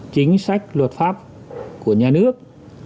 chính sách luật pháp của nhà nước